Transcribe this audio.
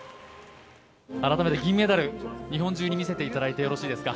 改めて銀メダル日本中に見せていただいていいですか。